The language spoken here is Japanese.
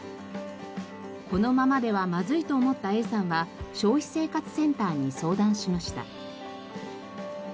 このままではまずいと思ったＡさんは消費生活センターに相談しました。